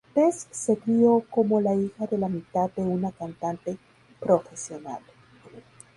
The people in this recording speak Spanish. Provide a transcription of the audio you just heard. Tess se crio como la hija de la mitad de una cantante profesional.